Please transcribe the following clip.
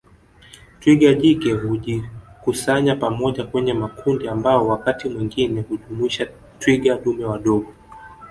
Twiga jike hujikusanya pamoja kwenye makundi ambao wakati mwingine hujumuisha twiga dume wadogo